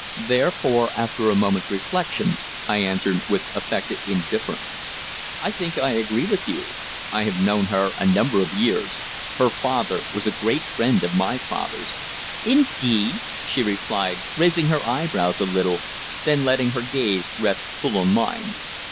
Therefore, after a moment's reflection, I answered with affected indifference: "I think I agree with you. I have known her a number of years. Her father was a great friend of my father's." "Indeed?" she replied, raising her eyebrows a little, then letting her gaze rest full on mine.